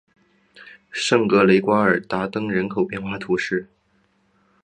圣格雷瓜尔达登人口变化图示